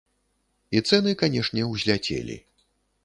І цэны, канешне, узляцелі.